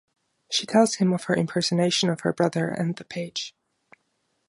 She tells him of her impersonation of her brother and the page.